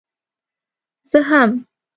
زه هم.